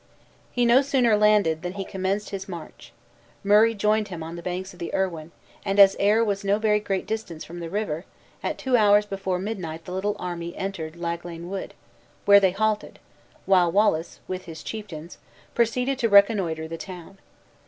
He no sooner landed, than he commenced his march. Murray joined him on the banks of the Irwin; and as Ayr was no very great distance from that river, at two hours before midnight the little army entered Laglane Wood; where they halted, while Wallace, with his chieftains proceeded to reconnoiter the town.